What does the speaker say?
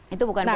itu bukan bot